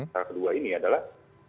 tangka kedua ini adalah